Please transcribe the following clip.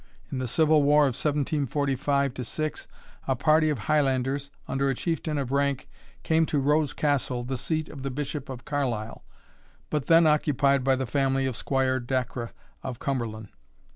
In the civil war 1745 6, a party of Highlanders, under a Chieftain of rank, came to Rose Castle, the seat of the Bishop of Carlisle, but then occupied by the family of Squire Dacre of Cumberland.